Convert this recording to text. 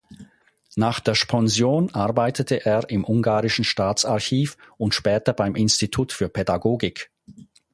Nach der Sponsion arbeitete er im Ungarischen Staatsarchiv und später beim Institut für Pädagogik.